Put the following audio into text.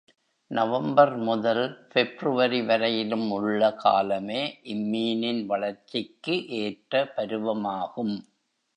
November முதல் February வரையிலும் உள்ள காலமே இம்மீனின் வளர்ச்சிக்கு ஏற்ற பருவமாகும்.